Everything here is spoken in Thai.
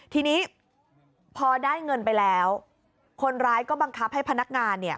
ทีนี้พอได้เงินไปแล้วคนร้ายก็บังคับให้พนักงานเนี่ย